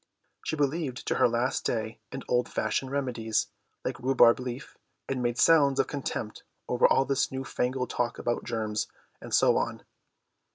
She believed to her last day in old fashioned remedies like rhubarb leaf, and made sounds of contempt over all this new fangled talk about germs, and so on.